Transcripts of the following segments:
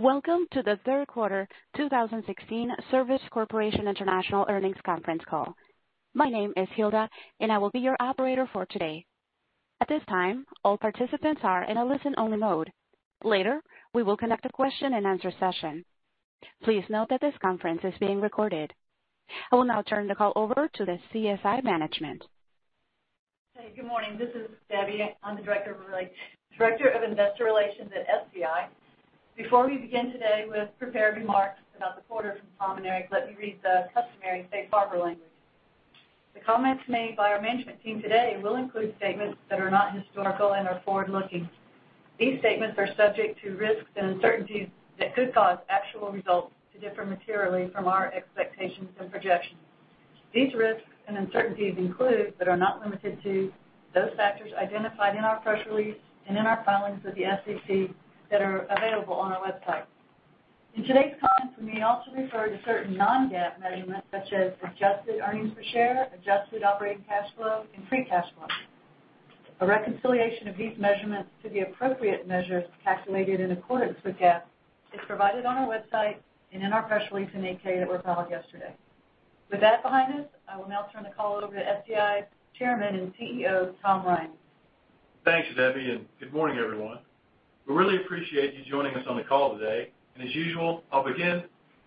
Welcome to the third quarter 2016 Service Corporation International earnings conference call. My name is Hilda, and I will be your operator for today. At this time, all participants are in a listen-only mode. Later, we will conduct a question-and-answer session. Please note that this conference is being recorded. I will now turn the call over to the SCI management. Hey. Good morning. This is Debbie. I'm the director of investor relations at SCI. Before we begin today with prepared remarks about the quarter from Tom and Eric, let me read the customary safe harbor language. The comments made by our management team today will include statements that are not historical and are forward-looking. These statements are subject to risks and uncertainties that could cause actual results to differ materially from our expectations and projections. These risks and uncertainties include, but are not limited to, those factors identified in our press release and in our filings with the SEC that are available on our website. In today's comments, we may also refer to certain non-GAAP measurements such as adjusted earnings per share, adjusted operating cash flow, and free cash flow. A reconciliation of these measurements to the appropriate measures calculated in accordance with GAAP is provided on our website and in our press release in the 8-K that were filed yesterday. With that behind us, I will now turn the call over to SCI Chairman and CEO, Tom Ryan. Thanks, Debbie, and good morning, everyone. We really appreciate you joining us on the call today. As usual, I'll begin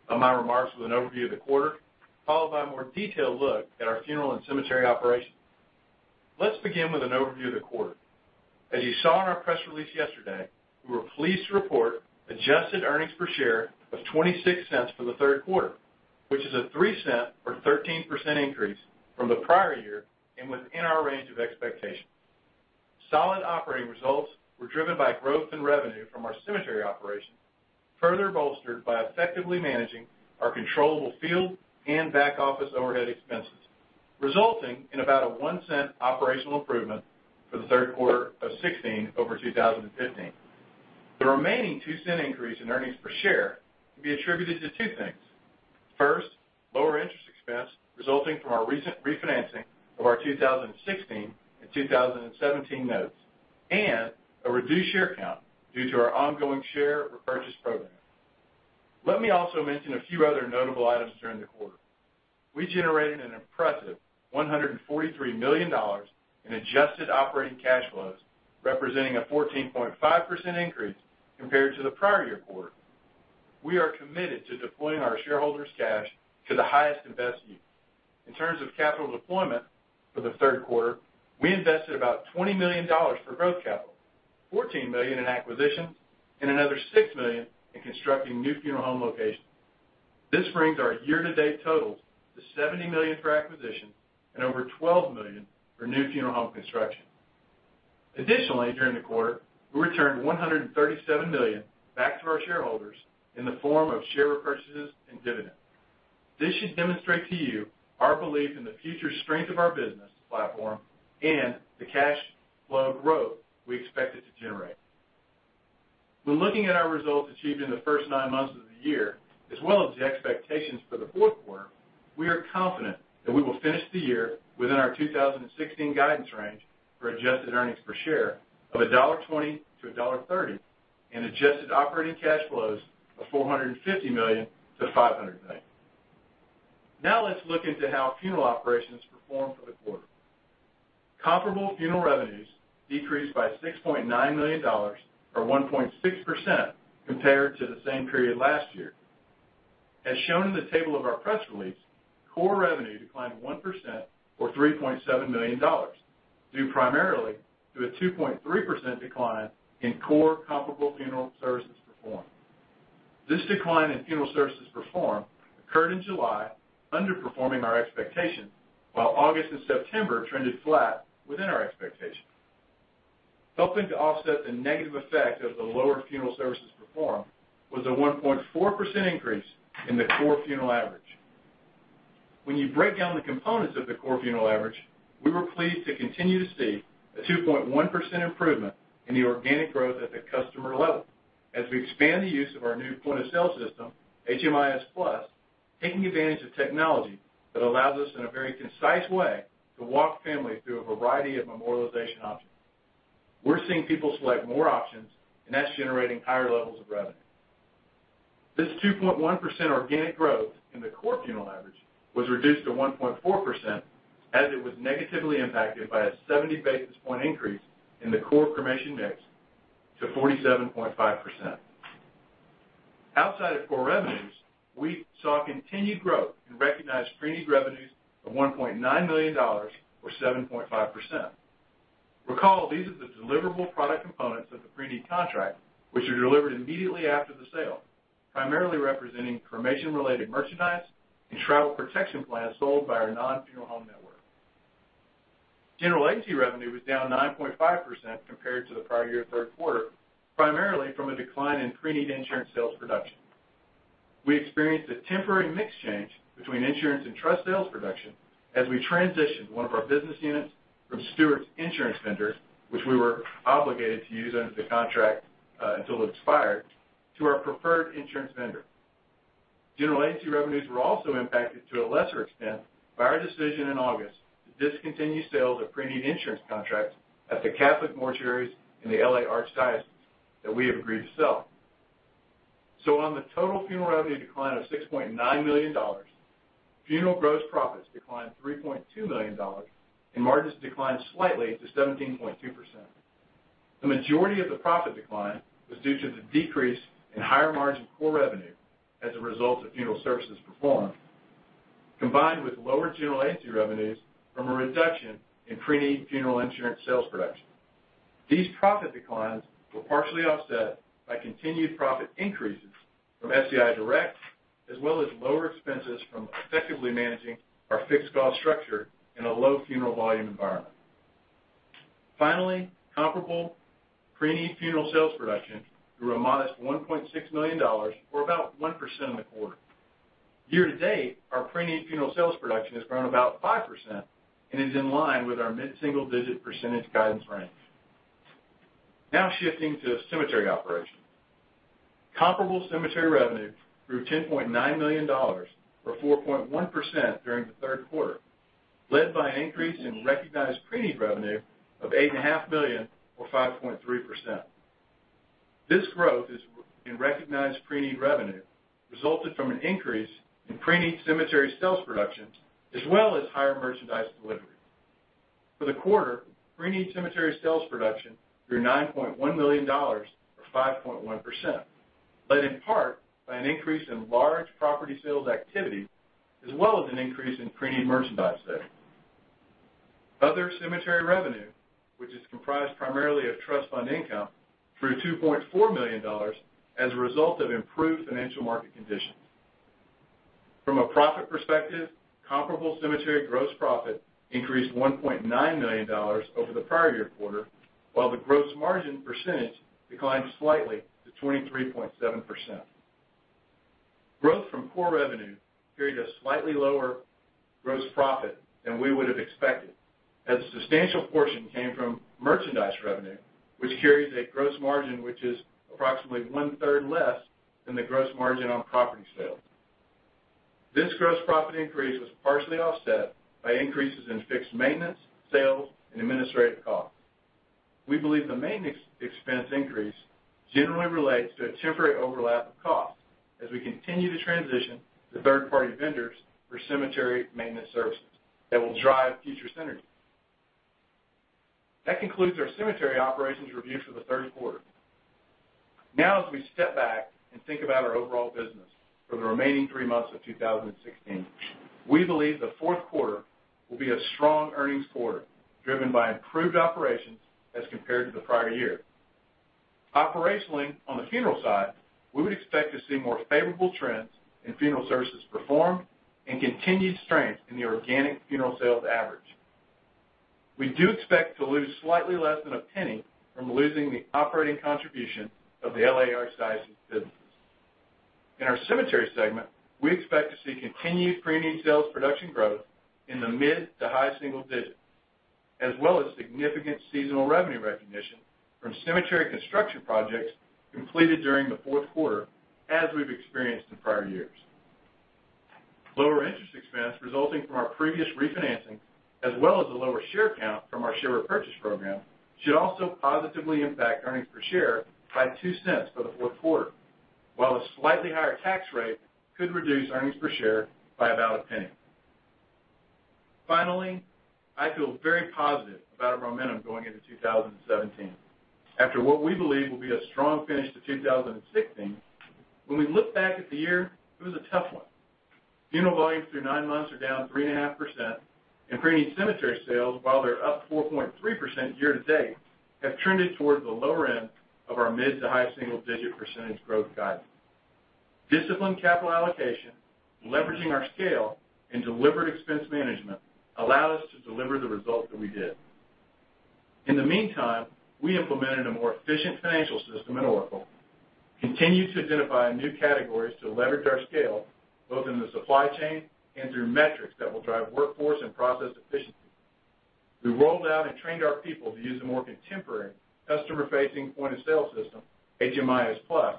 my remarks with an overview of the quarter, followed by a more detailed look at our funeral and cemetery operations. Let's begin with an overview of the quarter. As you saw in our press release yesterday, we were pleased to report adjusted earnings per share of $0.26 for the third quarter, which is a $0.03 or 13% increase from the prior year and within our range of expectations. Solid operating results were driven by growth in revenue from our cemetery operations, further bolstered by effectively managing our controllable field and back-office overhead expenses, resulting in about a $0.01 operational improvement for the third quarter of 2016 over 2015. The remaining $0.02 increase in earnings per share can be attributed to two things. First, lower interest expense resulting from our recent refinancing of our 2016 and 2017 notes, and a reduced share count due to our ongoing share repurchase program. Let me also mention a few other notable items during the quarter. We generated an impressive $143 million in adjusted operating cash flows, representing a 14.5% increase compared to the prior year quarter. We are committed to deploying our shareholders' cash to the highest and best use. In terms of capital deployment for the third quarter, we invested about $20 million for growth capital, $14 million in acquisitions, and another $6 million in constructing new funeral home locations. This brings our year-to-date totals to $70 million for acquisitions and over $12 million for new funeral home construction. Additionally, during the quarter, we returned $137 million back to our shareholders in the form of share repurchases and dividends. This should demonstrate to you our belief in the future strength of our business platform and the cash flow growth we expected to generate. When looking at our results achieved in the first nine months of the year, as well as the expectations for the fourth quarter, we are confident that we will finish the year within our 2016 guidance range for adjusted earnings per share of $1.20 to $1.30, and adjusted operating cash flows of $450 million-$500 million. Let's look into how funeral operations performed for the quarter. Comparable funeral revenues decreased by $6.9 million, or 1.6% compared to the same period last year. As shown in the table of our press release, core revenue declined 1%, or $3.7 million, due primarily to a 2.3% decline in core comparable funeral services performed. This decline in funeral services performed occurred in July, underperforming our expectations, while August and September trended flat within our expectations. Helping to offset the negative effect of the lower funeral services performed was a 1.4% increase in the core funeral average. When you break down the components of the core funeral average, we were pleased to continue to see a 2.1% improvement in the organic growth at the customer level as we expand the use of our new point-of-sale system, HMIS+, taking advantage of technology that allows us in a very concise way to walk families through a variety of memorialization options. We're seeing people select more options, and that's generating higher levels of revenue. This 2.1% organic growth in the core funeral average was reduced to 1.4% as it was negatively impacted by a 70-basis point increase in the core cremation mix to 47.5%. Outside of core revenues, we saw continued growth in recognized preneed revenues of $1.9 million, or 7.5%. Recall, these are the deliverable product components of the preneed contract, which are delivered immediately after the sale, primarily representing cremation-related merchandise and travel protection plans sold by our non-funeral home network. General agency revenue was down 9.5% compared to the prior year third quarter, primarily from a decline in preneed insurance sales production. We experienced a temporary mix change between insurance and trust sales production as we transitioned one of our business units from Stewart's insurance vendors, which we were obligated to use under the contract until it expired, to our preferred insurance vendor. General agency revenues were also impacted to a lesser extent by our decision in August to discontinue sales of pre-need insurance contracts at the Catholic mortuaries in the L.A. Archdiocese that we have agreed to sell. On the total funeral revenue decline of $6.9 million, funeral gross profits declined $3.2 million, and margins declined slightly to 17.2%. The majority of the profit decline was due to the decrease in higher-margin core revenue as a result of funeral services performed, combined with lower general agency revenues from a reduction in pre-need funeral insurance sales production. These profit declines were partially offset by continued profit increases from SCI Direct, as well as lower expenses from effectively managing our fixed cost structure in a low funeral volume environment. Finally, comparable pre-need funeral sales production grew a modest $1.6 million, or about 1% in the quarter. Year-to-date, our pre-need funeral sales production has grown about 5% and is in line with our mid-single-digit percentage guidance range. Shifting to cemetery operations. Comparable cemetery revenue grew $10.9 million, or 4.1%, during the third quarter, led by an increase in recognized pre-need revenue of eight and a half million, or 5.3%. This growth in recognized pre-need revenue resulted from an increase in pre-need cemetery sales production, as well as higher merchandise delivery. For the quarter, pre-need cemetery sales production grew $9.1 million, or 5.1%, led in part by an increase in large property sales activity, as well as an increase in pre-need merchandise sales. Other cemetery revenue, which is comprised primarily of trust fund income, grew to $2.4 million as a result of improved financial market conditions. From a profit perspective, comparable cemetery gross profit increased $1.9 million over the prior year quarter, while the gross margin percentage declined slightly to 23.7%. Growth from core revenue carried a slightly lower gross profit than we would have expected, as a substantial portion came from merchandise revenue, which carries a gross margin which is approximately one-third less than the gross margin on property sales. This gross profit increase was partially offset by increases in fixed maintenance, sales, and administrative costs. We believe the maintenance expense increase generally relates to a temporary overlap of costs as we continue to transition to third-party vendors for cemetery maintenance services that will drive future synergies. That concludes our cemetery operations review for the third quarter. As we step back and think about our overall business for the remaining three months of 2016, we believe the fourth quarter will be a strong earnings quarter, driven by improved operations as compared to the prior year. Operationally, on the funeral side, we would expect to see more favorable trends in funeral services performed and continued strength in the organic funeral sales average. We do expect to lose slightly less than $0.01 from losing the operating contribution of the L.A. Archdiocese businesses. In our cemetery segment, we expect to see continued pre-need sales production growth in the mid to high single digits, as well as significant seasonal revenue recognition from cemetery construction projects completed during the fourth quarter, as we've experienced in prior years. Lower interest expense resulting from our previous refinancing, as well as a lower share count from our share repurchase program, should also positively impact earnings per share by $0.02 for the fourth quarter, while a slightly higher tax rate could reduce earnings per share by about $0.01. Finally, I feel very positive about our momentum going into 2017. After what we believe will be a strong finish to 2016, when we look back at the year, it was a tough one. Funeral volumes through nine months are down 3.5%, and pre-need cemetery sales, while they're up 4.3% year-to-date, have trended towards the lower end of our mid to high single-digit percentage growth guidance. Disciplined capital allocation, leveraging our scale, and deliberate expense management allowed us to deliver the results that we did. In the meantime, we implemented a more efficient financial system in Oracle, continued to identify new categories to leverage our scale, both in the supply chain and through metrics that will drive workforce and process efficiency. We rolled out and trained our people to use a more contemporary customer-facing point-of-sale system, HMIS Plus.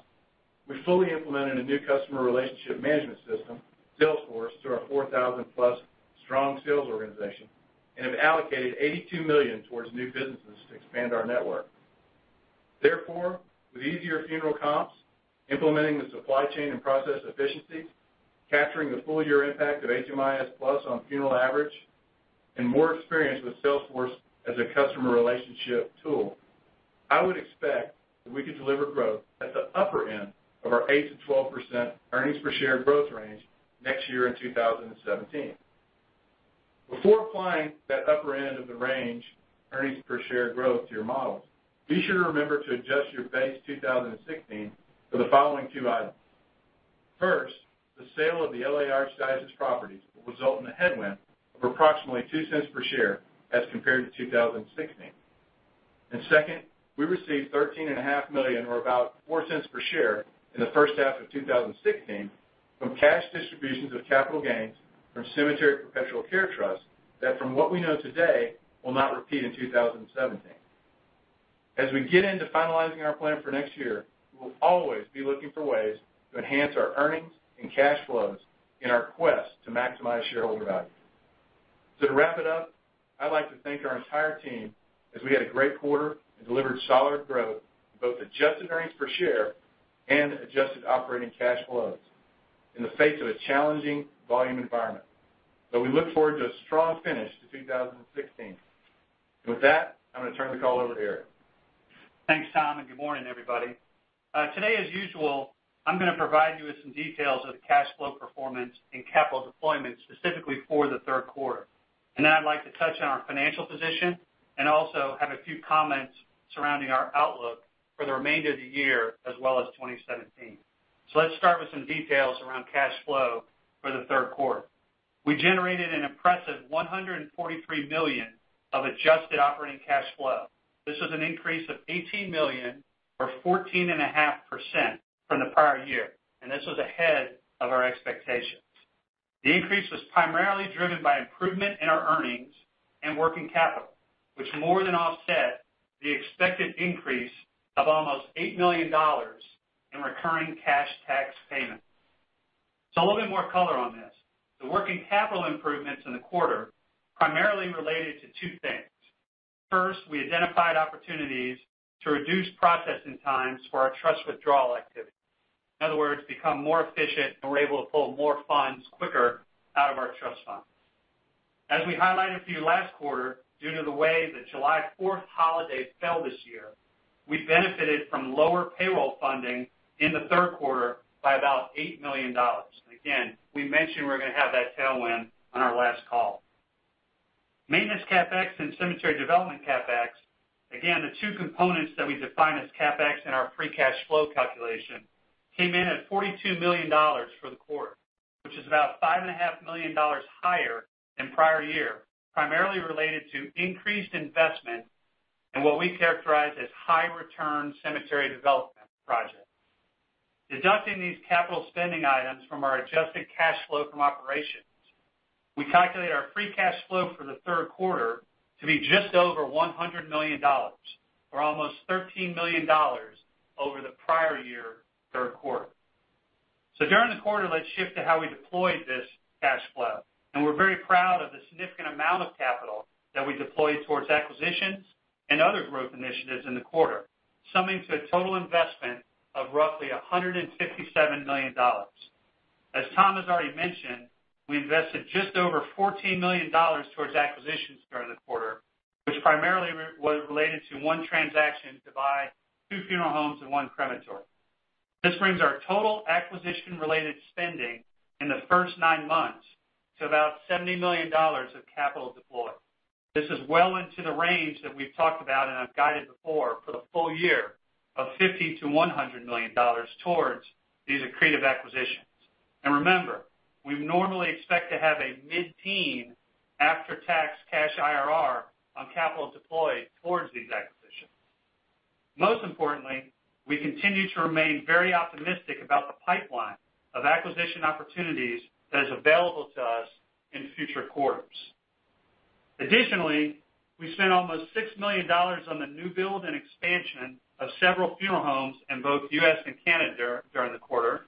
We fully implemented a new customer relationship management system, sales force, through our 4,000-plus strong sales organization, and have allocated $82 million towards new businesses to expand our network. With easier funeral comps, implementing the supply chain and process efficiencies, capturing the full year impact of HMIS Plus on funeral average, and more experience with sales force as a customer relationship tool, I would expect that we could deliver growth at the upper end of our 8%-12% earnings per share growth range next year in 2017. Before applying that upper end of the range earnings per share growth to your models, be sure to remember to adjust your base 2016 for the following two items. First, the sale of the L.A. Archdiocese properties will result in a headwind of approximately $0.02 per share as compared to 2016. Second, we received $13.5 million, or about $0.04 per share, in the first half of 2016 from cash distributions of capital gains from cemetery perpetual care trusts that, from what we know today, will not repeat in 2017. As we get into finalizing our plan for next year, we'll always be looking for ways to enhance our earnings and cash flows in our quest to maximize shareholder value. To wrap it up, I'd like to thank our entire team, as we had a great quarter and delivered solid growth in both adjusted earnings per share and adjusted operating cash flows in the face of a challenging volume environment. We look forward to a strong finish to 2016. With that, I'm going to turn the call over to Eric. Thanks, Tom, good morning, everybody. Today, as usual, I'm going to provide you with some details of the cash flow performance and capital deployment specifically for the third quarter. Then I'd like to touch on our financial position and also have a few comments surrounding our outlook for the remainder of the year, as well as 2017. Let's start with some details around cash flow for the third quarter. We generated an impressive $143 million of adjusted operating cash flow. This was an increase of $18 million or 14.5% from the prior year, and this was ahead of our expectations. The increase was primarily driven by improvement in our earnings and working capital, which more than offset the expected increase of almost $8 million in recurring cash tax payments. A little bit more color on this. The working capital improvements in the quarter primarily related to two things. First, we identified opportunities to reduce processing times for our trust withdrawal activity. In other words, become more efficient, and we're able to pull more funds quicker out of our trust funds. As we highlighted for you last quarter, due to the way the July 4th holiday fell this year, we benefited from lower payroll funding in the third quarter by about $8 million. Again, we mentioned we were going to have that tailwind on our last call. Maintenance CapEx and cemetery development CapEx, again, the two components that we define as CapEx in our free cash flow calculation, came in at $42 million for the quarter, which is about $5.5 million higher than prior year, primarily related to increased investment in what we characterize as high-return cemetery development projects. Deducting these capital spending items from our adjusted cash flow from operations, we calculate our free cash flow for the third quarter to be just over $100 million, or almost $13 million over the prior year third quarter. During the quarter, let's shift to how we deployed this cash flow. We're very proud of the significant amount of capital that we deployed towards acquisitions and other growth initiatives in the quarter, summing to a total investment of roughly $157 million. As Tom has already mentioned, we invested just over $14 million towards acquisitions during the quarter, which primarily was related to one transaction to buy two funeral homes and one crematory. This brings our total acquisition-related spending in the first nine months to about $70 million of capital deployed. This is well into the range that we've talked about and have guided before for the full year of $50 million-$100 million towards these accretive acquisitions. Remember, we normally expect to have a mid-teen after-tax cash IRR on capital deployed towards these acquisitions. Most importantly, we continue to remain very optimistic about the pipeline of acquisition opportunities that is available to us in future quarters. Additionally, we spent almost $6 million on the new build and expansion of several funeral homes in both U.S. and Canada during the quarter.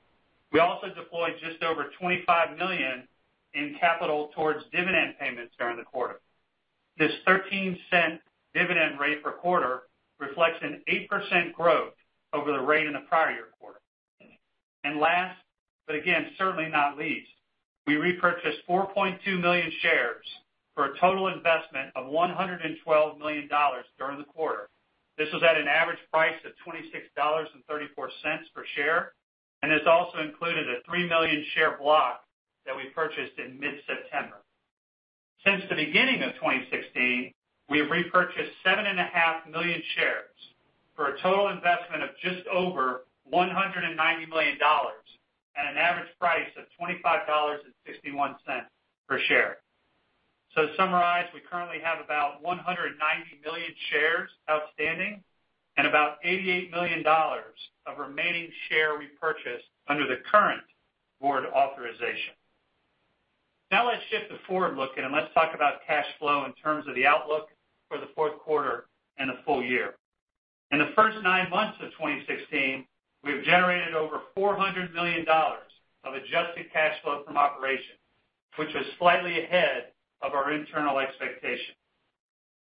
We also deployed just over $25 million in capital towards dividend payments during the quarter. This $0.13 dividend rate per quarter reflects an 8% growth over the rate in the prior year quarter. Last, but again, certainly not least, we repurchased 4.2 million shares for a total investment of $112 million during the quarter. This was at an average price of $26.34 per share, and this also included a three million share block that we purchased in mid-September. Since the beginning of 2016, we have repurchased 7.5 million shares for a total investment of just over $190 million at an average price of $25.61 per share. To summarize, we currently have about 190 million shares outstanding and about $88 million of remaining share repurchase under the current board authorization. Let's shift to forward-looking, and let's talk about cash flow in terms of the outlook for the fourth quarter and the full year. In the first nine months of 2016, we've generated over $400 million of adjusted cash flow from operations, which is slightly ahead of our internal expectations.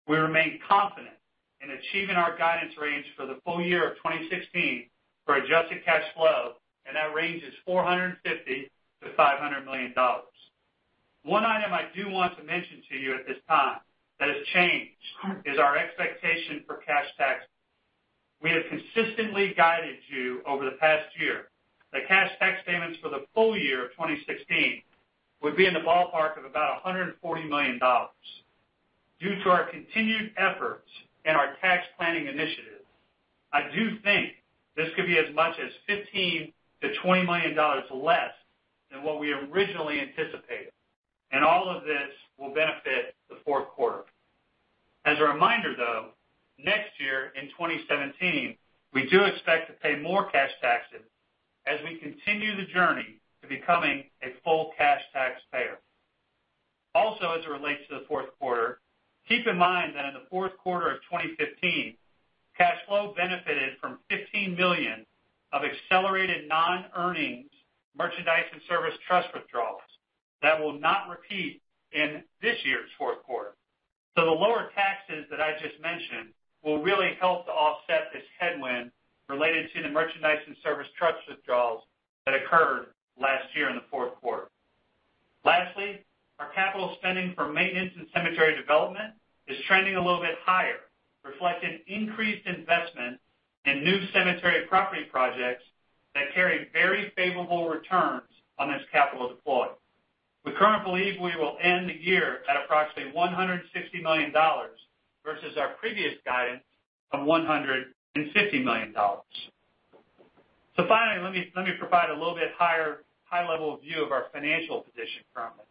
We remain confident in achieving our guidance range for the full year of 2016 for adjusted cash flow, that range is $450 million-$500 million. One item I do want to mention to you at this time that has changed is our expectation for cash tax. We have consistently guided you over the past year that cash tax payments for the full year of 2016 would be in the ballpark of about $140 million. Due to our continued efforts and our tax planning initiatives, I do think this could be as much as $15 million-$20 million less than what we originally anticipated, all of this will benefit the fourth quarter. As a reminder, though, next year in 2017, we do expect to pay more cash taxes as we continue the journey to becoming a full cash tax payer. Keep in mind that in the fourth quarter of 2015, cash flow benefited from $15 million of accelerated non-earnings merchandise and service trust withdrawals that will not repeat in this year's fourth quarter. The lower taxes that I just mentioned will really help to offset this headwind related to the merchandise and service trust withdrawals that occurred last year in the fourth quarter. Lastly, our capital spending for maintenance and cemetery development is trending a little bit higher, reflecting increased investment in new cemetery property projects that carry very favorable returns on this capital deployed. We currently believe we will end the year at approximately $160 million versus our previous guidance of $150 million. Finally, let me provide a little bit higher high-level view of our financial position currently.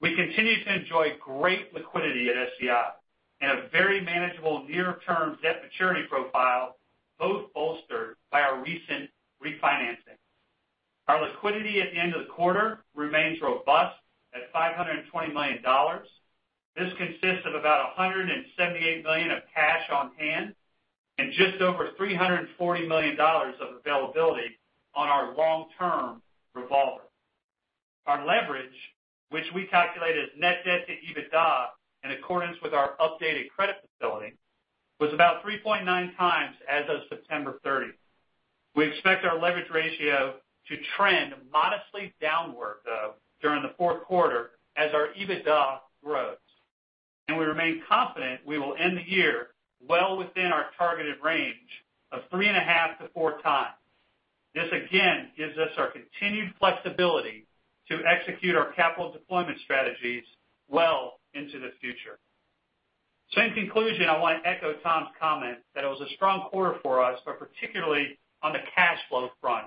We continue to enjoy great liquidity at SCI and a very manageable near-term debt maturity profile, both bolstered by our recent refinancing. Our liquidity at the end of the quarter remains robust at $520 million. This consists of about $178 million of cash on hand and just over $340 million of availability on our long-term revolver. Our leverage, which we calculate as net debt to EBITDA in accordance with our updated credit facility, was about 3.9 times as of September 30. We expect our leverage ratio to trend modestly downward, though, during the fourth quarter as our EBITDA grows. We remain confident we will end the year well within our targeted range of 3.5-4 times. This, again, gives us our continued flexibility to execute our capital deployment strategies well into the future. In conclusion, I want to echo Tom's comment that it was a strong quarter for us, but particularly on the cash flow front,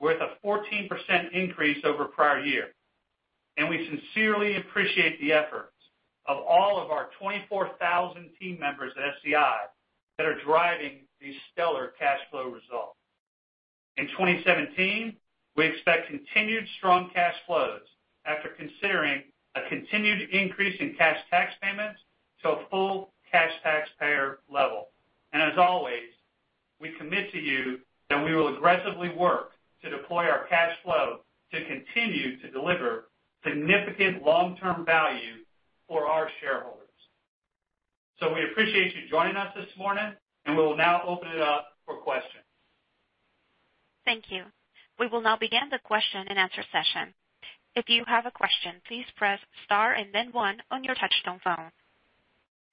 with a 14% increase over prior year. We sincerely appreciate the efforts of all of our 24,000 team members at SCI that are driving these stellar cash flow results. In 2017, we expect continued strong cash flows after considering a continued increase in cash tax payments to a full cash taxpayer level. As always, we commit to you that we will aggressively work to deploy our cash flow to continue to deliver significant long-term value for our shareholders. We appreciate you joining us this morning. We'll now open it up for questions. Thank you. We will now begin the question-and-answer session. If you have a question, please press star and then one on your touch-tone phone.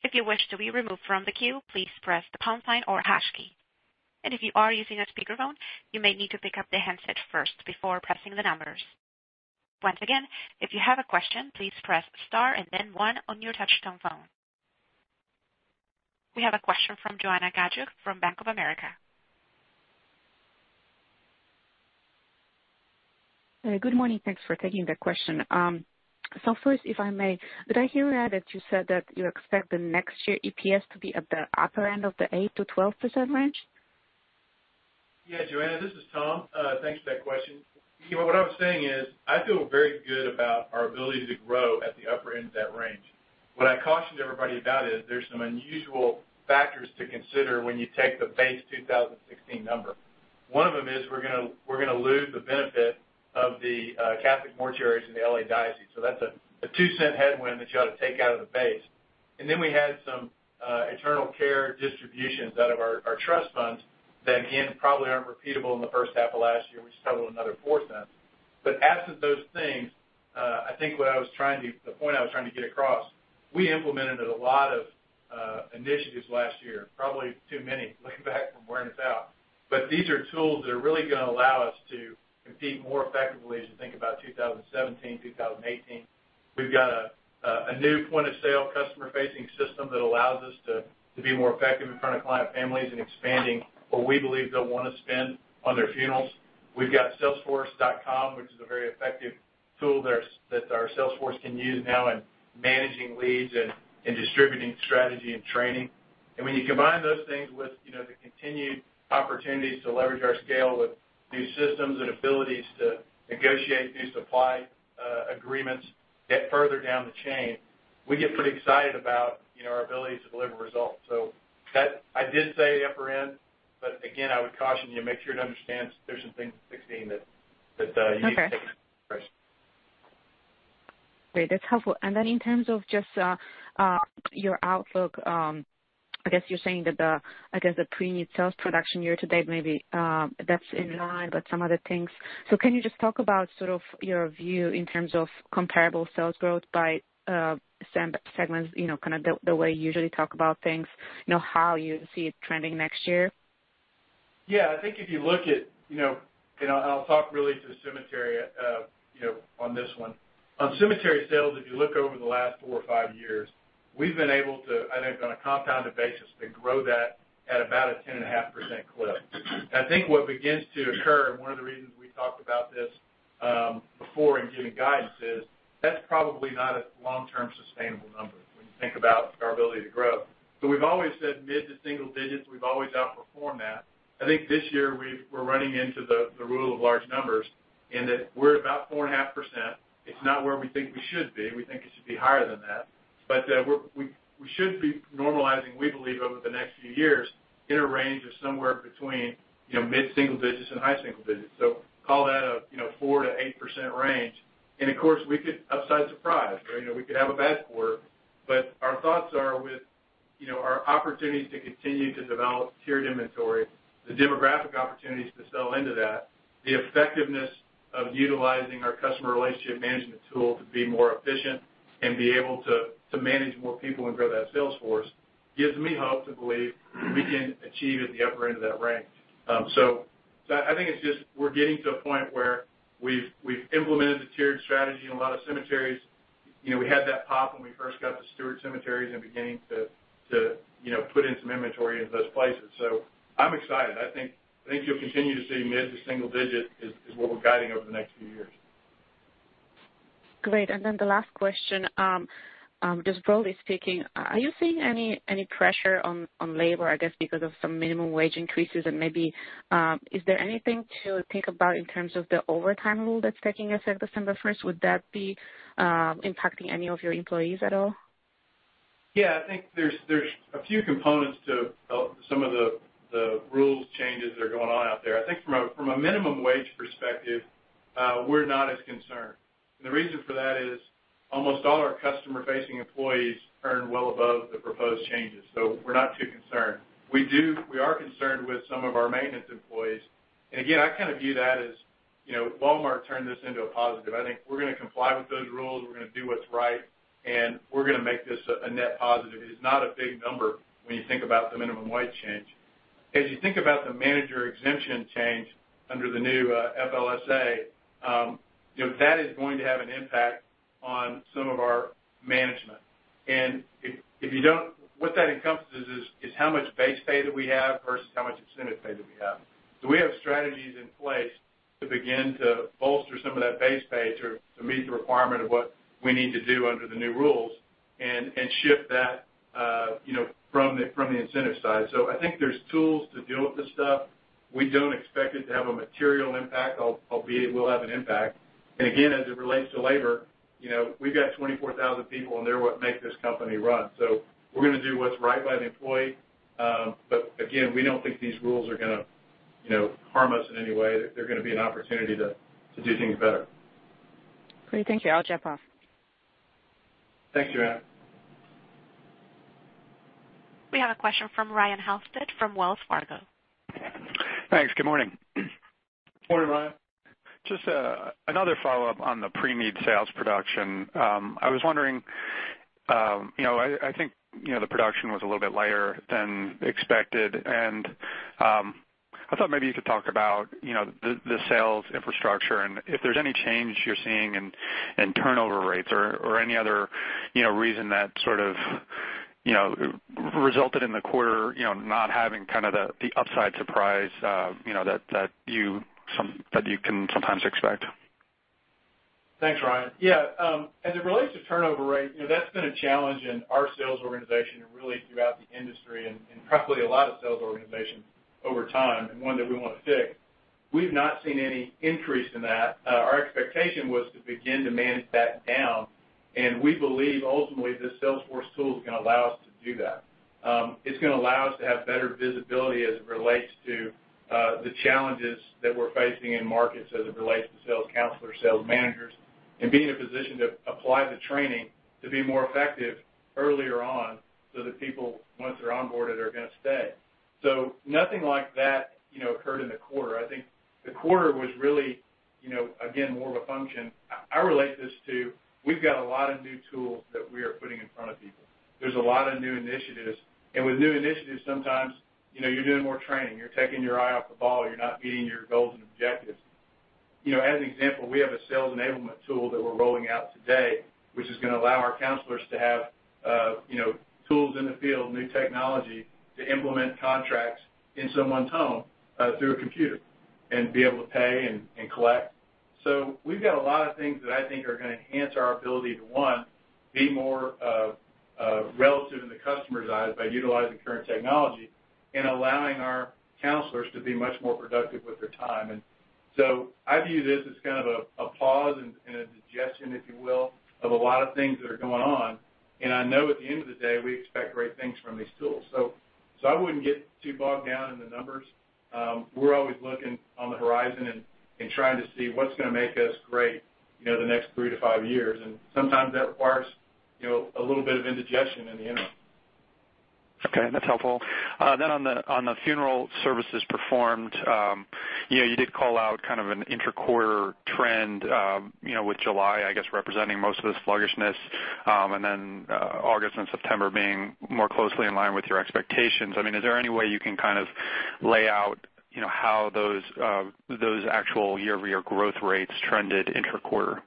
If you wish to be removed from the queue, please press the pound sign or hash key. If you are using a speakerphone, you may need to pick up the handset first before pressing the numbers. Once again, if you have a question, please press star and then one on your touch-tone phone. We have a question from Joanna Gajuk from Bank of America. Good morning. Thanks for taking the question. First, if I may, did I hear that you said that you expect the next year EPS to be at the upper end of the 8%-12% range? Joanna, this is Tom. Thanks for that question. What I was saying is, I feel very good about our ability to grow at the upper end of that range. What I cautioned everybody about is there's some unusual factors to consider when you take the base 2016 number. One of them is we're going to lose the benefit of the Catholic mortuaries in the L.A. Archdiocese. That's a $0.02 headwind that you ought to take out of the base. We had some eternal care distributions out of our trust funds that, again, probably aren't repeatable in the first half of last year, which totaled another $0.04. Absent those things, I think the point I was trying to get across, we implemented a lot of initiatives last year, probably too many, looking back from wearing us out. These are tools that are really going to allow us to compete more effectively as you think about 2017, 2018. We've got a new point-of-sale customer-facing system that allows us to be more effective in front of client families in expanding what we believe they'll want to spend on their funerals. We've got Salesforce.com, which is a very effective tool that our sales force can use now in managing leads and distributing strategy and training. When you combine those things with the continued opportunities to leverage our scale with new systems and abilities to negotiate new supply agreements yet further down the chain, we get pretty excited about our ability to deliver results. I did say upper end, again, I would caution you, make sure to understand there's some things in 2016 that you need to take into consideration. Great. That's helpful. In terms of just your outlook, I guess you're saying that the pre-need sales production year to date, maybe that's in line, but some other things. Can you just talk about sort of your view in terms of comparable sales growth by segments, kind of the way you usually talk about things, how you see it trending next year? Yeah. I think I'll talk really to the cemetery on this one. On cemetery sales, if you look over the last four or five years, we've been able to, I think on a compounded basis, to grow that at about a 10.5% clip. I think what begins to occur, and one of the reasons we talked about this before in giving guidance, is that's probably not a long-term sustainable number when you think about our ability to grow. We've always said mid to single digits, we've always outperformed that. I think this year we're running into the rule of large numbers We're about 4.5%. It's not where we think we should be. We think it should be higher than that. We should be normalizing, we believe, over the next few years, in a range of somewhere between mid-single digits and high single digits. Call that a 4%-8% range, and of course, we could upside surprise. We could have a bad quarter, but our thoughts are with our opportunities to continue to develop tiered inventory, the demographic opportunities to sell into that, the effectiveness of utilizing our customer relationship management tool to be more efficient, and be able to manage more people and grow that sales force, gives me hope to believe we can achieve at the upper end of that range. I think it's just we're getting to a point where we've implemented the tiered strategy in a lot of cemeteries. We had that pop when we first got the Stewart cemeteries and beginning to put in some inventory in those places. I'm excited. I think you'll continue to see mid to single digit is what we're guiding over the next few years. Great. The last question, just broadly speaking, are you seeing any pressure on labor, I guess because of some minimum wage increases and maybe, is there anything to think about in terms of the overtime rule that's taking effect December 1st? Would that be impacting any of your employees at all? Yeah, I think there's a few components to some of the rules changes that are going on out there. I think from a minimum wage perspective, we're not as concerned. The reason for that is almost all our customer-facing employees earn well above the proposed changes. We're not too concerned. We are concerned with some of our maintenance employees. Again, I kind of view that as Walmart turned this into a positive. I think we're going to comply with those rules, we're going to do what's right, and we're going to make this a net positive. It is not a big number when you think about the minimum wage change. As you think about the manager exemption change under the new FLSA, that is going to have an impact on some of our management. What that encompasses is, how much base pay do we have versus how much incentive pay do we have? We have strategies in place to begin to bolster some of that base pay to meet the requirement of what we need to do under the new rules and shift that from the incentive side. I think there's tools to deal with this stuff. We don't expect it to have a material impact, albeit it will have an impact. Again, as it relates to labor, we've got 24,000 people, and they're what make this company run. We're going to do what's right by the employee. Again, we don't think these rules are going to harm us in any way. They're going to be an opportunity to do things better. Great. Thank you. I'll jump off. Thanks, Joanna. We have a question from Ryan Halstead from Wells Fargo. Thanks. Good morning. Morning, Ryan. Just another follow-up on the pre-need sales production. I was wondering, I think the production was a little bit lighter than expected, I thought maybe you could talk about the sales infrastructure if there's any change you're seeing in turnover rates or any other reason that sort of resulted in the quarter not having kind of the upside surprise that you can sometimes expect. Thanks, Ryan. Yeah. As it relates to turnover rate, that's been a challenge in our sales organization really throughout the industry and probably a lot of sales organizations over time, one that we want to fix. We've not seen any increase in that. Our expectation was to begin to manage that down, we believe ultimately the sales force tool is going to allow us to do that. It's going to allow us to have better visibility as it relates to the challenges that we're facing in markets as it relates to sales counselors, sales managers, be in a position to apply the training to be more effective earlier on so that people, once they're onboarded, are going to stay. Nothing like that occurred in the quarter. I think the quarter was really, again, more of a function. I relate this to we've got a lot of new tools that we are putting in front of people. There's a lot of new initiatives. With new initiatives, sometimes you're doing more training, you're taking your eye off the ball, you're not meeting your goals and objectives. As an example, we have a sales enablement tool that we're rolling out today, which is going to allow our counselors to have tools in the field, new technology to implement contracts in someone's home through a computer be able to pay and collect. We've got a lot of things that I think are going to enhance our ability to, one, be more relative in the customer's eyes by utilizing current technology allowing our counselors to be much more productive with their time. I view this as kind of a pause and a digestion, if you will, of a lot of things that are going on. I know at the end of the day, we expect great things from these tools. I wouldn't get too bogged down in the numbers. We're always looking on the horizon trying to see what's going to make us great the next three to five years. Sometimes that requires a little bit of indigestion in the interim. Okay, that's helpful. On the funeral services performed, you did call out kind of an inter-quarter trend, with July, I guess, representing most of the sluggishness, and then August and September being more closely in line with your expectations. I mean, is there any way you can kind of lay out how those actual year-over-year growth rates trended inter-quarter,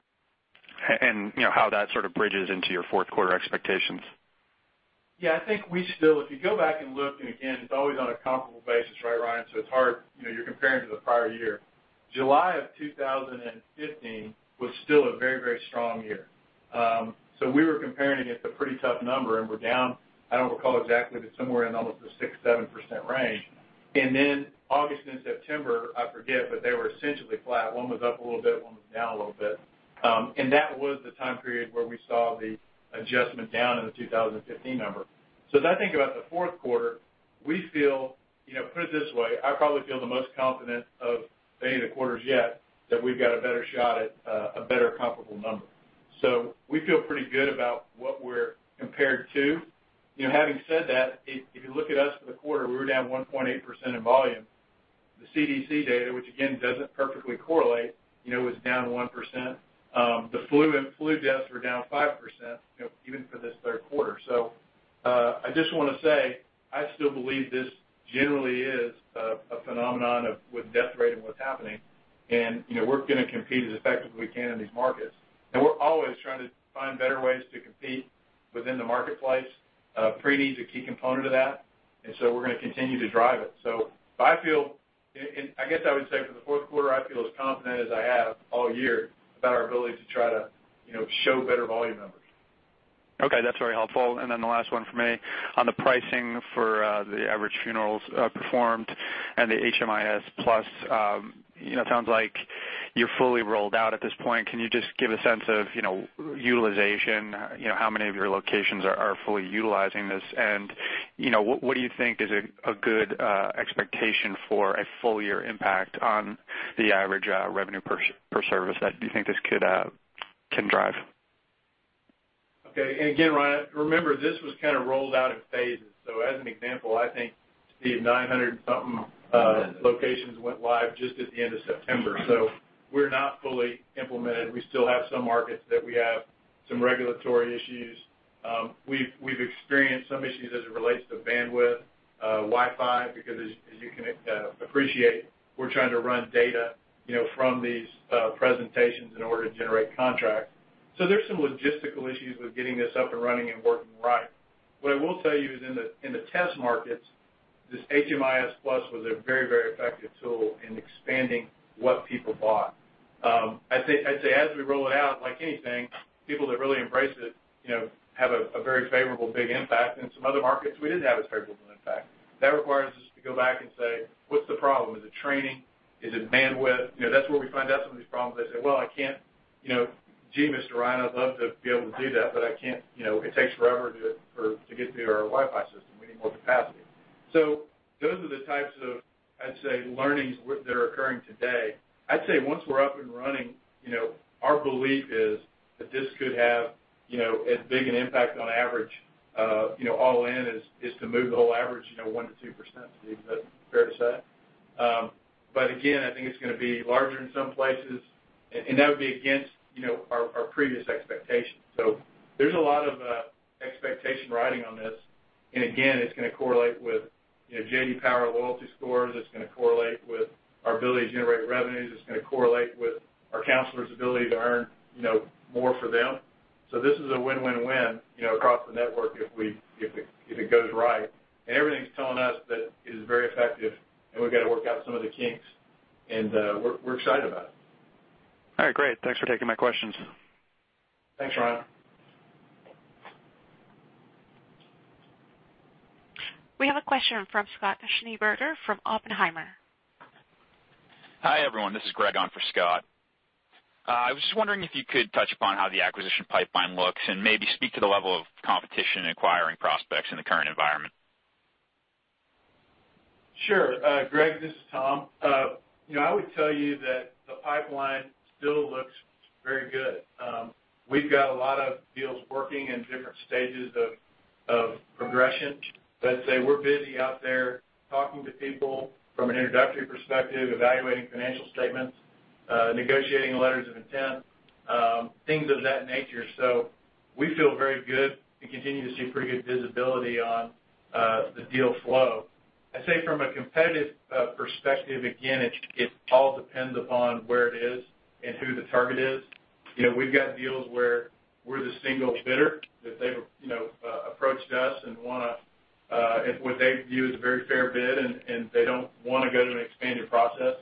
and how that sort of bridges into your fourth quarter expectations? Yeah, I think if you go back and look, and again, it's always on a comparable basis, right, Ryan? It's hard. You're comparing to the prior year. July of 2015 was still a very, very strong year. We were comparing against a pretty tough number, and we're down, I don't recall exactly, but somewhere in almost the 6%-7% range. August and September, I forget, but they were essentially flat. One was up a little bit, one was down a little bit. That was the time period where we saw the adjustment down in the 2015 number. As I think about the fourth quarter, put it this way, I probably feel the most confident of any of the quarters yet that we've got a better shot at a better comparable number. We feel pretty good about what we're compared to. Having said that, if you look at us for the quarter, we were down 1.8% in volume. The CDC data, which again, doesn't perfectly correlate, was down 1%. The flu and flu deaths were down 5%, even for this third quarter. I just want to say, I still believe this generally is a phenomenon of with death rate and what's happening, and we're going to compete as effectively as we can in these markets. We're always trying to find better ways to compete within the marketplace. Preneed is a key component of that, we're going to continue to drive it. I guess I would say for the fourth quarter, I feel as confident as I have all year about our ability to try to show better volume numbers. Okay, that's very helpful. The last one from me. On the pricing for the average funerals performed and the HMIS+, it sounds like you're fully rolled out at this point. Can you just give a sense of utilization, how many of your locations are fully utilizing this? What do you think is a good expectation for a full-year impact on the average revenue per service that you think this can drive? Okay. Again, Ryan, remember, this was kind of rolled out in phases. As an example, I think, Steve, 900 and something locations went live just at the end of September. We're not fully implemented. We still have some markets that we have some regulatory issues. We've experienced some issues as it relates to bandwidth, Wi-Fi, because as you can appreciate, we're trying to run data from these presentations in order to generate contracts. There's some logistical issues with getting this up and running and working right. What I will tell you is in the test markets, this HMIS+ was a very effective tool in expanding what people bought. I'd say, as we roll it out, like anything, people that really embrace it have a very favorable, big impact. In some other markets, we didn't have as favorable of an impact. That requires us to go back and say, "What's the problem? Is it training? Is it bandwidth?" That's where we find out some of these problems. They say, "Well, gee, Mr. Ryan, I'd love to be able to do that, but I can't. It takes forever to get through our Wi-Fi system. We need more capacity." Those are the types of, I'd say, learnings that are occurring today. I'd say once we're up and running, our belief is that this could have as big an impact on average, all in, is to move the whole average 1%-2%, Steve. Is that fair to say? Again, I think it's going to be larger in some places, and that would be against our previous expectations. There's a lot of expectation riding on this. Again, it's going to correlate with J.D. Power loyalty scores. It's going to correlate with our ability to generate revenues. It's going to correlate with our counselors' ability to earn more for them. This is a win-win-win across the network if it goes right. Everything's telling us that it is very effective, and we've got to work out some of the kinks, and we're excited about it. All right. Great. Thanks for taking my questions. Thanks, Ryan. We have a question from Scott Schneeberger from Oppenheimer. Hi, everyone. This is Greg on for Scott. I was just wondering if you could touch upon how the acquisition pipeline looks and maybe speak to the level of competition and acquiring prospects in the current environment. Sure. Greg, this is Tom. I would tell you that the pipeline still looks very good. We've got a lot of deals working in different stages of progression. Let's say we're busy out there talking to people from an introductory perspective, evaluating financial statements, negotiating letters of intent, things of that nature. We feel very good and continue to see pretty good visibility on the deal flow. I'd say from a competitive perspective, again, it all depends upon where it is and who the target is. We've got deals where we're the single bidder, that they've approached us with what they view as a very fair bid, and they don't want to go to an expanded process.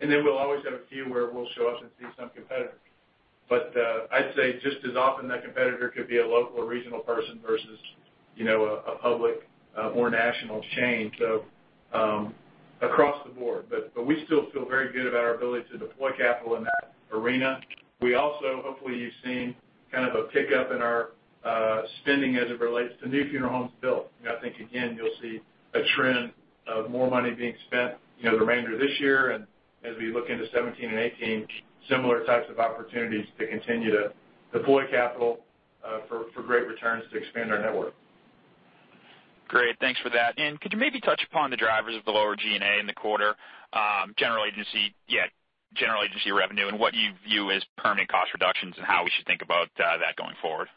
We'll always have a few where we'll show up and see some competitors. I'd say just as often, that competitor could be a local or regional person versus a public or national chain. Across the board. We still feel very good about our ability to deploy capital in that arena. We also, hopefully, you've seen kind of a pickup in our spending as it relates to new funeral homes built. I think again, you'll see a trend of more money being spent the remainder of this year, and as we look into 2017 and 2018, similar types of opportunities to continue to deploy capital for great returns to expand our network. Great. Thanks for that. Could you maybe touch upon the drivers of the lower G&A in the quarter? General agency revenue, and what you view as permanent cost reductions and how we should think about that going forward.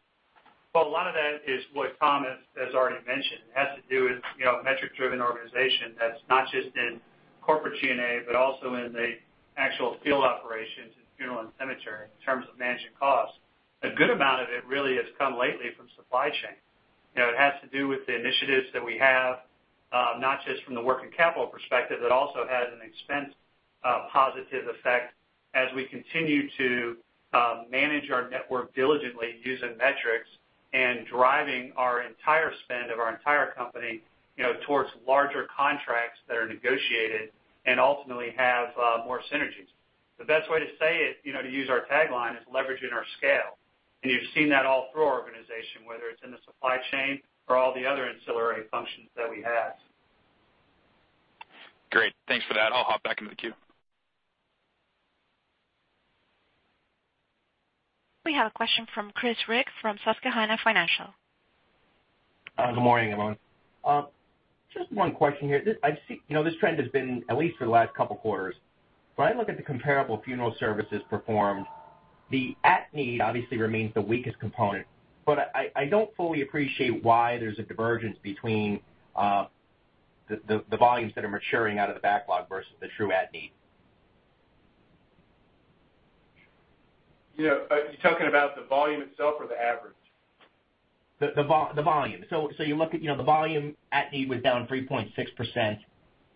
Well, a lot of that is what Tom has already mentioned. It has to do with metric-driven organization that's not just in corporate G&A but also in the actual field operations in funeral and cemetery in terms of managing costs. A good amount of it really has come lately from supply chain. It has to do with the initiatives that we have Not just from the working capital perspective, it also has an expense positive effect as we continue to manage our network diligently using metrics and driving our entire spend of our entire company towards larger contracts that are negotiated and ultimately have more synergies. The best way to say it, to use our tagline, is leveraging our scale. You've seen that all through our organization, whether it's in the supply chain or all the other ancillary functions that we have. Great. Thanks for that. I'll hop back into the queue. We have a question from Chris Rigg from Susquehanna Financial. Good morning, everyone. Just one question here. This trend has been at least for the last couple of quarters. I don't fully appreciate why there's a divergence between the volumes that are maturing out of the backlog versus the true at-need. Are you talking about the volume itself or the average? The volume. You look at the volume, at-need was down 3.6%,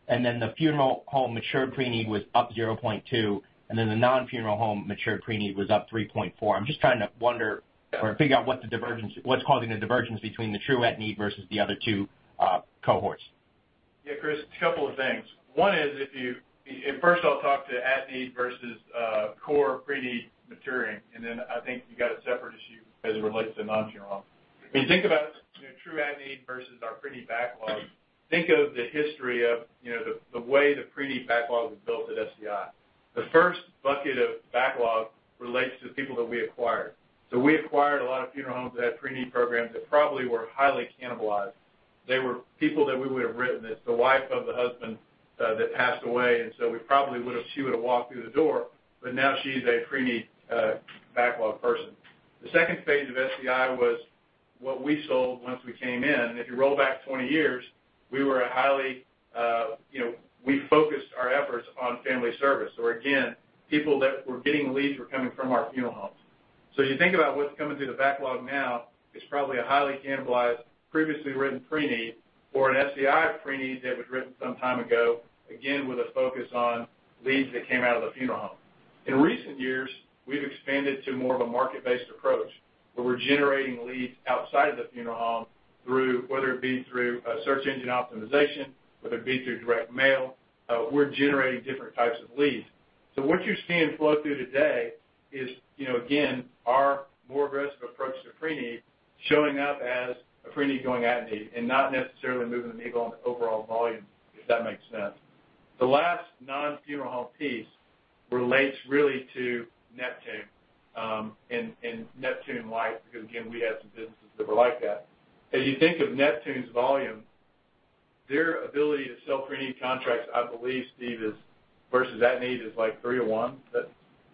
and the funeral home mature pre-need was up 0.2%, and the non-funeral home mature pre-need was up 3.4%. I'm just trying to wonder or figure out what's causing the divergence between the true at-need versus the other two cohorts. Yeah, Chris Rigg, a couple of things. One is first, I'll talk to at-need versus core pre-need maturing, then I think you've got a separate issue as it relates to non-funeral. When you think about true at-need versus our pre-need backlog, think of the history of the way the pre-need backlog was built at SCI. The first bucket of backlog relates to the people that we acquired. We acquired a lot of funeral homes that had pre-need programs that probably were highly cannibalized. They were people that we would have written. It's the wife of the husband that passed away, she would've walked through the door, but now she's a pre-need backlog person. The second phase of SCI was what we sold once we came in. If you roll back 20 years, we focused our efforts on family service, or again, people that were getting leads were coming from our funeral homes. You think about what's coming through the backlog now, it's probably a highly cannibalized, previously written pre-need or an SCI pre-need that was written some time ago, again, with a focus on leads that came out of the funeral home. In recent years, we've expanded to more of a market-based approach, where we're generating leads outside of the funeral home, whether it be through search engine optimization, whether it be through direct mail, we're generating different types of leads. What you're seeing flow through today is, again, our more aggressive approach to pre-need showing up as a pre-need going at-need and not necessarily moving the needle on overall volume, if that makes sense. The last non-funeral home piece relates really to Neptune. Neptune life, because again, we had some businesses that were like that. As you think of Neptune's volume, their ability to sell pre-need contracts, I believe, Steve, versus at-need is like three to one. That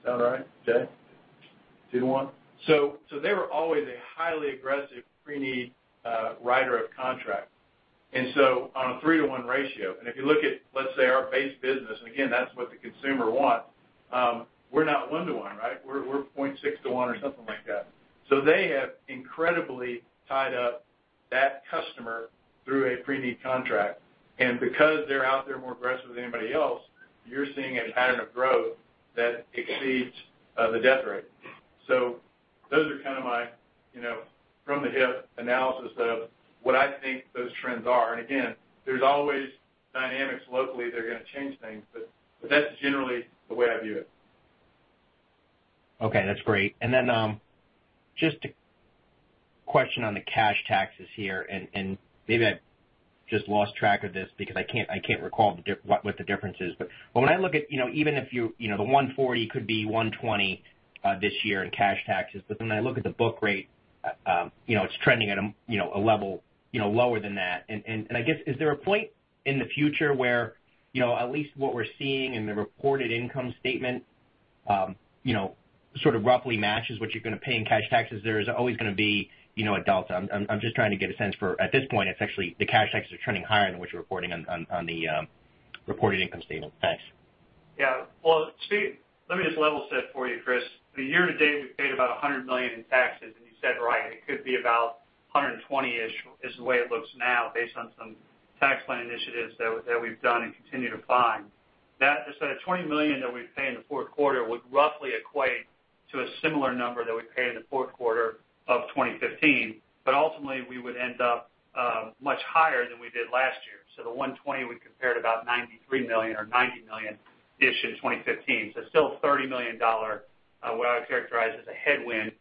sound right, Jay? Two to one? They were always a highly aggressive pre-need writer of contract. On a three-to-one ratio, if you look at let's say our base business, again, that's what the consumer wants, we're not one to one, right? We're 0.6 to one or something like that. They have incredibly tied up that customer through a pre-need contract. Because they're out there more aggressive than anybody else, you're seeing a pattern of growth that exceeds the death rate. Those are kind of my from the hip analysis of what I think those trends are. Again, there's always dynamics locally that are going to change things, but that's generally the way I view it. Okay, that's great. Just a question on the cash taxes here, maybe I just lost track of this because I can't recall what the difference is. When I look at even if the $140 could be $120 this year in cash taxes, when I look at the book rate, it's trending at a level lower than that. I guess, is there a point in the future where at least what we're seeing in the reported income statement sort of roughly matches what you're going to pay in cash taxes? There is always going to be a delta. I'm just trying to get a sense for, at this point, it's actually the cash taxes are trending higher than what you're reporting on the reported income statement. Thanks. Well, let me just level set for you, Chris. The year to date, we've paid about $100 million in taxes, you said right, it could be about $120-ish is the way it looks now based on some tax plan initiatives that we've done and continue to find. That, just that $20 million that we pay in the fourth quarter would roughly equate to a similar number that we paid in the fourth quarter of 2015. Ultimately, we would end up much higher than we did last year. The $120 would compare to about $93 million or $90 million-ish in 2015. Still a $30 million, what I would characterize as a headwind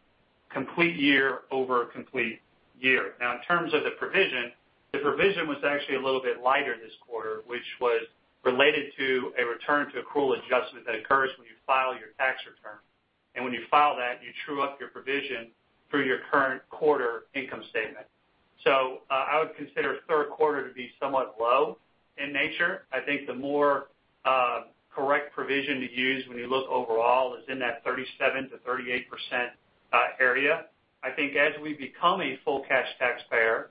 complete year over complete year. In terms of the provision, the provision was actually a little bit lighter this quarter, which was related to a return to accrual adjustment that occurs when you file your tax return. When you file that, you true up your provision through your current quarter income statement. I would consider third quarter to be somewhat low in nature. I think the more correct provision to use when you look overall is in that 37%-38% area. I think as we become a full cash taxpayer,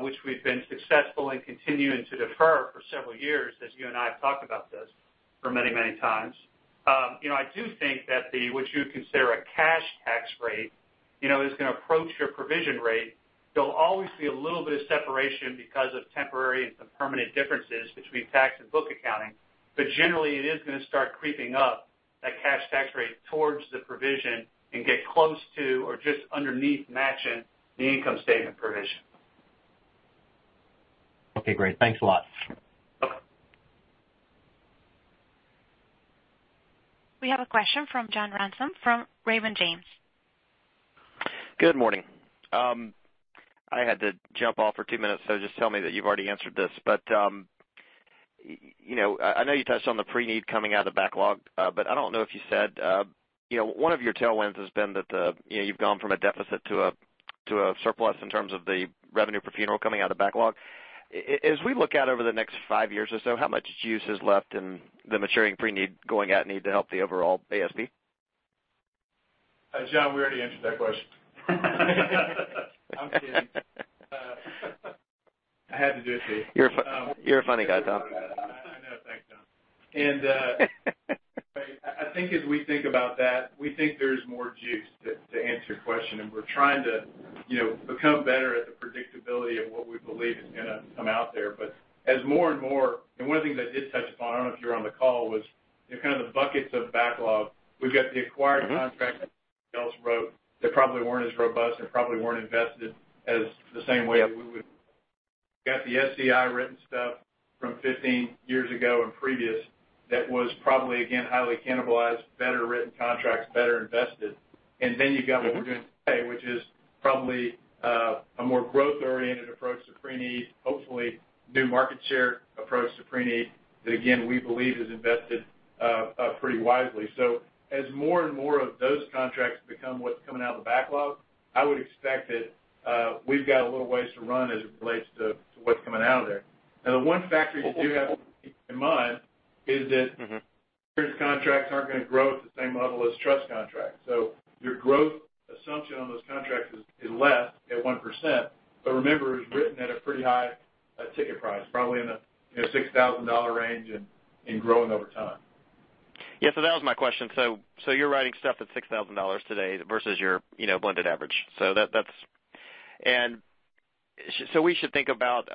which we've been successful in continuing to defer for several years, as you and I have talked about this for many, many times. I do think that what you would consider a cash tax rate is going to approach your provision rate. You'll always see a little bit of separation because of temporary and some permanent differences between tax and book accounting. Generally, it is going to start creeping up, that cash tax rate, towards the provision and get close to or just underneath matching the income statement provision. Okay, great. Thanks a lot. Okay. We have a question from John Ransom from Raymond James. Good morning. I had to jump off for two minutes. Just tell me that you've already answered this. I know you touched on the pre-need coming out of the backlog, but I don't know if you said. One of your tailwinds has been that you've gone from a deficit to a surplus in terms of the revenue per funeral coming out of backlog. As we look out over the next five years or so, how much juice is left in the maturing pre-need going at need to help the overall ASP? John, we already answered that question. I'm kidding. I had to do it to you. You're a funny guy, Tom. I know. Thanks, John. I think as we think about that, we think there's more juice, to answer your question, and we're trying to become better at the predictability of what we believe is going to come out there. One of the things I did touch upon, I don't know if you were on the call, was kind of the buckets of backlog. We've got the acquired contracts that somebody else wrote that probably weren't as robust and probably weren't invested as the same way we would. Got the SCI-written stuff from 15 years ago and previous. That was probably, again, highly cannibalized, better written contracts, better invested. Then you've got what we're doing today, which is probably a more growth-oriented approach to pre-need, hopefully new market share approach to pre-need. That, again, we believe is invested pretty wisely. As more and more of those contracts become what's coming out of the backlog, I would expect that we've got a little ways to run as it relates to what's coming out of there. Now, the one factor you do have to keep in mind is that insurance contracts aren't going to grow at the same level as trust contracts. Your growth assumption on those contracts is less, at 1%, but remember, it was written at a pretty high ticket price, probably in the $6,000 range and growing over time. That was my question. You're writing stuff at $6,000 today versus your blended average. We should think about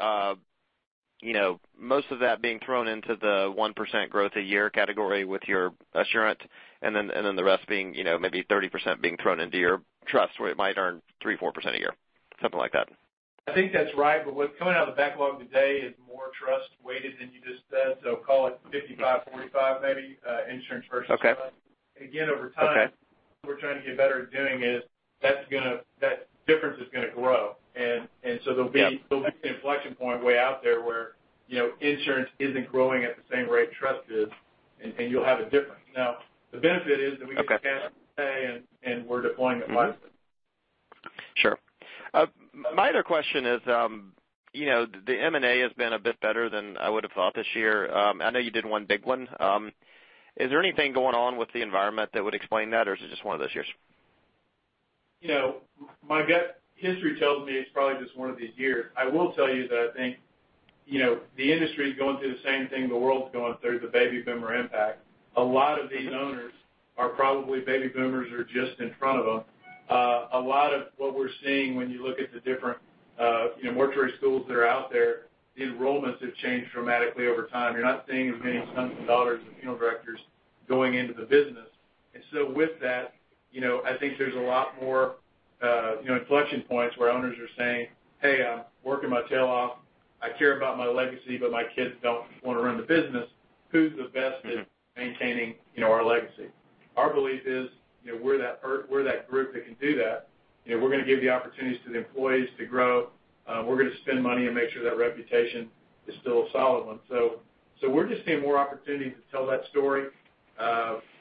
most of that being thrown into the 1% growth a year category with your Assurant and then the rest being maybe 30% being thrown into your trust, where it might earn 3%, 4% a year, something like that. I think that's right. What's coming out of the backlog today is more trust-weighted than you just said. Call it 55/45 maybe, insurance versus trust. Okay. Again, over time- Okay We're trying to get better at doing is that difference is going to grow. Yeah. There'll be an inflection point way out there where insurance isn't growing at the same rate trust is, and you'll have a difference. Now, the benefit is that we get the cash today, and we're deploying it wisely. Sure. My other question is, the M&A has been a bit better than I would've thought this year. I know you did one big one. Is there anything going on with the environment that would explain that, or is it just one of those years? My gut history tells me it's probably just one of these years. I will tell you that I think the industry is going through the same thing the world's going through, the baby boomer impact. A lot of these owners are probably baby boomers or just in front of them. A lot of what we're seeing when you look at the different mortuary schools that are out there, the enrollments have changed dramatically over time. You're not seeing as many sons and daughters of funeral directors going into the business. With that, I think there's a lot more inflection points where owners are saying, "Hey, I'm working my tail off. I care about my legacy, but my kids don't want to run the business. Who's the best at maintaining our legacy?" Our belief is, we're that group that can do that. We're going to give the opportunities to the employees to grow. We're going to spend money and make sure that reputation is still a solid one. We're just seeing more opportunities to tell that story.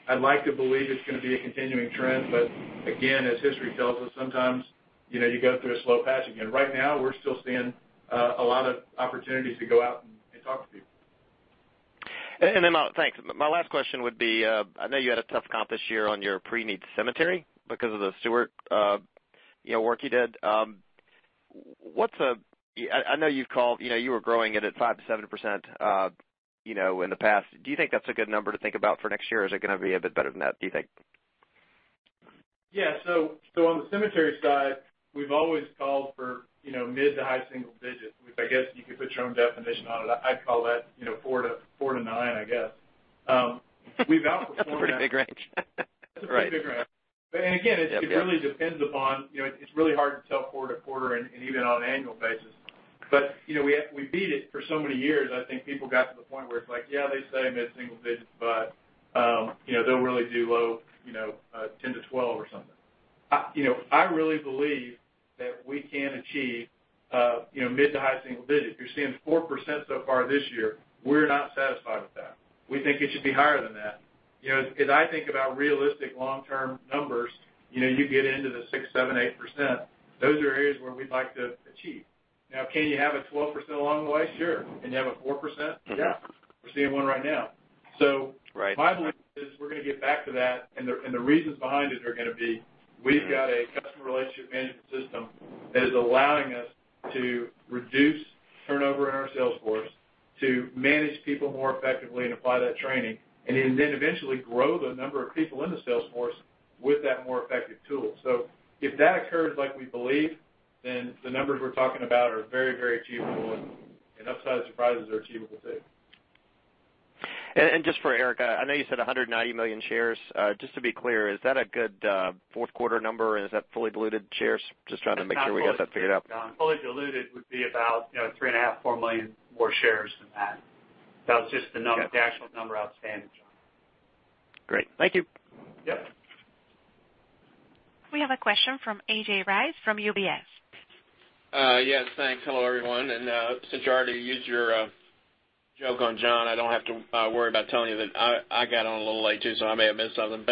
I'd like to believe it's going to be a continuing trend, but again, as history tells us sometimes, you go through a slow patch again. Right now, we're still seeing a lot of opportunities to go out and talk to people. Thanks. My last question would be, I know you had a tough comp this year on your pre-need cemetery because of the Stewart work you did. I know you were growing it at 5%-7% in the past. Do you think that's a good number to think about for next year, or is it going to be a bit better than that, do you think? Yeah. On the cemetery side, we've always called for mid to high single digits, which I guess you could put your own definition on it. I'd call that four to nine, I guess. We've outperformed that. That's a pretty big range. It's a pretty big range. Yeah. Again, it really depends upon, it's really hard to tell quarter to quarter and even on an annual basis. We beat it for so many years, I think people got to the point where it's like, yeah, they say mid-single digits, but they'll really do low 10%-12% or something. I really believe that we can achieve mid to high single digits. You're seeing 4% so far this year. We're not satisfied with that. We think it should be higher than that. As I think about realistic long-term numbers, you get into the 6%, 7%, 8%, those are areas where we'd like to achieve. Now, can you have a 12% along the way? Sure. Can you have a 4%? Yeah. We're seeing one right now. Right. My belief is we're going to get back to that. The reasons behind it are going to be, we've got a customer relationship management system that is allowing us to reduce turnover in our sales force, to manage people more effectively and apply that training, and then eventually grow the number of people in the sales force with that more effective tool. If that occurs like we believe, then the numbers we're talking about are very achievable, and upside surprises are achievable too. Just for Eric, I know you said 190 million shares. Just to be clear, is that a good fourth quarter number? Is that fully diluted shares? Just trying to make sure we got that figured out. It's not fully diluted, John. Fully diluted would be about 3.5 million, 4 million more shares than that. That was just the actual number outstanding, John. Great. Thank you. Yep. We have a question from A.J. Rice from UBS. Yes, thanks. Hello, everyone. Since you already used your joke on John, I don't have to worry about telling you that I got on a little late too. I may have missed something. Oh,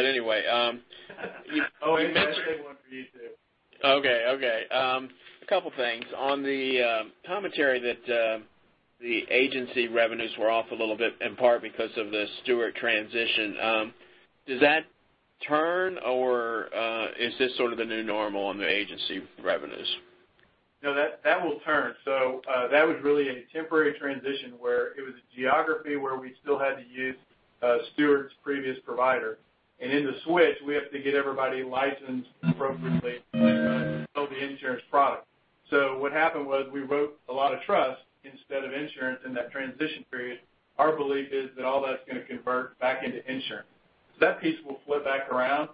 A.J., I saved one for you, too. Okay. A couple things. On the commentary that the agency revenues were off a little bit, in part because of the Stewart transition. Does that turn, or is this sort of the new normal on the agency revenues? No, that will turn. That was really a temporary transition where it was a geography where we still had to use Stewart's previous provider. In the switch, we have to get everybody licensed appropriately to sell the insurance product. What happened was we wrote a lot of trust instead of insurance in that transition period. Our belief is that all that's going to convert back into insurance. That piece will flip back around.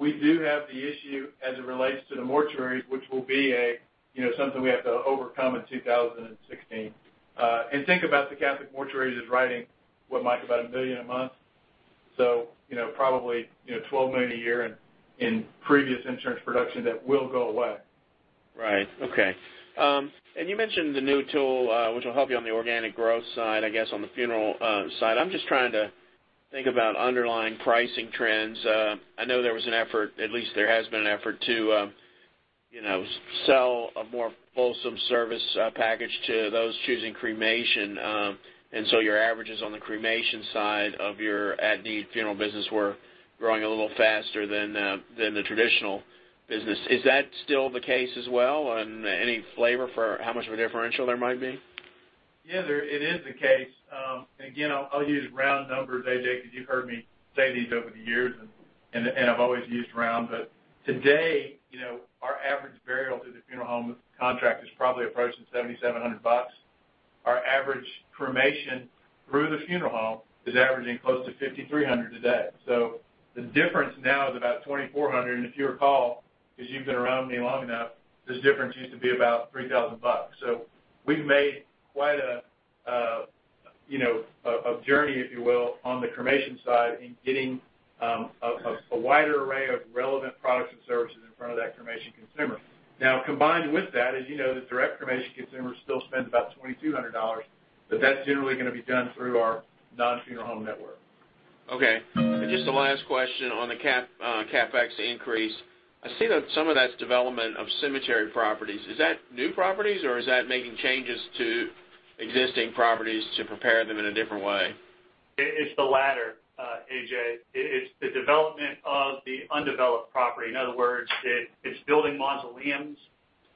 We do have the issue as it relates to the mortuaries, which will be something we have to overcome in 2016. Think about the Catholic mortuaries as writing, what, Mike? About $1 million a month? Probably $12 million a year in previous insurance production that will go away. Right. Okay. You mentioned the new tool which will help you on the organic growth side, I guess, on the funeral side. I'm just trying to think about underlying pricing trends. I know there was an effort, at least there has been an effort to sell a more fulsome service package to those choosing cremation. Your averages on the cremation side of your at-need funeral business were growing a little faster than the traditional business. Is that still the case as well? Any flavor for how much of a differential there might be? Yeah, it is the case. Again, I'll use round numbers, AJ, because you've heard me say these over the years, and I've always used round. Today, our average burial through the funeral home contract is probably approaching $7,700. Our average cremation through the funeral home is averaging close to $5,300 today. The difference now is about $2,400. If you recall, because you've been around me long enough, this difference used to be about $3,000. We've made quite a journey, if you will, on the cremation side in getting a wider array of relevant products and services in front of that cremation consumer. Now, combined with that is, the direct cremation consumer still spends about $2,200, but that's generally going to be done through our non-funeral home network. Okay. Just the last question on the CapEx increase. I see that some of that's development of cemetery properties. Is that new properties, or is that making changes to existing properties to prepare them in a different way? It's the latter, A.J. It's the development of the undeveloped property. In other words, it's building new mausoleums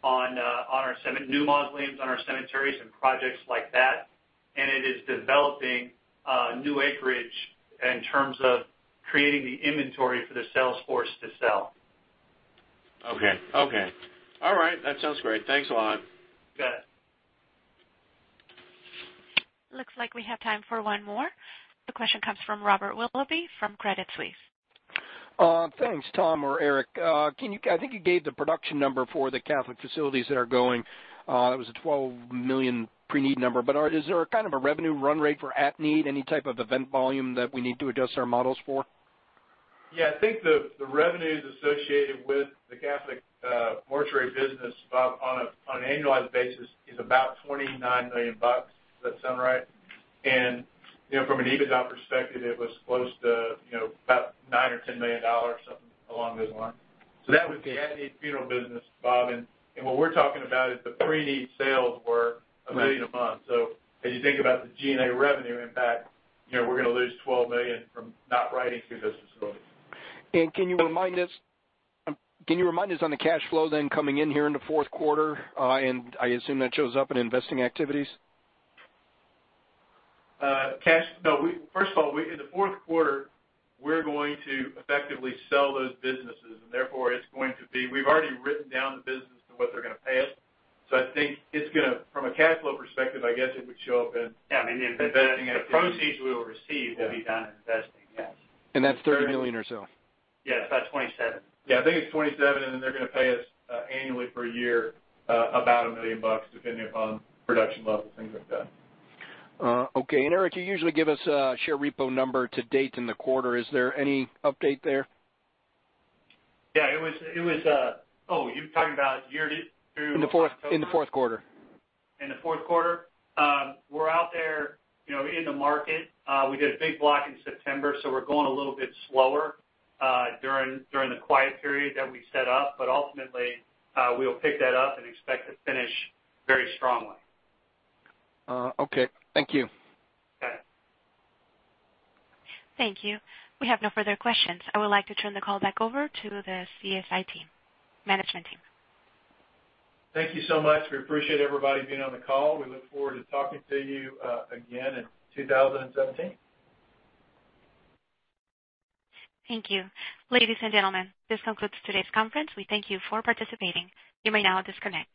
on our cemeteries and projects like that. It is developing new acreage in terms of creating the sales force to sell. Okay. All right. That sounds great. Thanks a lot. You bet. Looks like we have time for one more. The question comes from Robert Willoughby from Credit Suisse. Thanks, Tom or Eric. I think you gave the production number for the Catholic facilities that are going. It was a $12 million pre-need number. Is there a kind of a revenue run rate for at-need, any type of event volume that we need to adjust our models for? I think the revenues associated with the Catholic mortuary business, Bob, on an annualized basis, is about $29 million. Does that sound right? From an EBITDA perspective, it was close to about nine or $10 million, something along those lines. That was the at-need funeral business, Bob. What we're talking about is the pre-need sales were $1 million a month. As you think about the G&A revenue impact, we're going to lose $12 million from not writing to those facilities. Can you remind us on the cash flow then coming in here in the fourth quarter, and I assume that shows up in investing activities? First of all, in the fourth quarter, we're going to effectively sell those businesses, and therefore, we've already written down the business to what they're going to pay us. I think from a cash flow perspective, I guess it would show up in investing activities. The proceeds we will receive will be down in investing, yes. That's $30 million or so. Yes, about $27. Yeah, I think it's 27, and then they're going to pay us annually for a year about $1 million, depending upon production levels, things like that. Okay. Eric, you usually give us a share repo number to date in the quarter. Is there any update there? Yeah. You're talking about year-to-October? In the fourth quarter. In the fourth quarter? We're out there in the market. We did a big block in September. We're going a little bit slower during the quiet period that we set up. Ultimately, we'll pick that up and expect to finish very strongly. Okay. Thank you. You bet. Thank you. We have no further questions. I would like to turn the call back over to the SCI team. Management team. Thank you so much. We appreciate everybody being on the call. We look forward to talking to you again in 2017. Thank you. Ladies and gentlemen, this concludes today's conference. We thank you for participating. You may now disconnect.